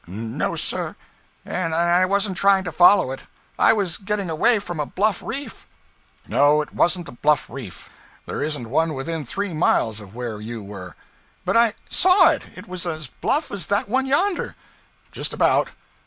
'No sir, and I wasn't trying to follow it. I was getting away from a bluff reef.' 'No, it wasn't a bluff reef; there isn't one within three miles of where you were.' 'But I saw it. It was as bluff as that one yonder.' 'Just about.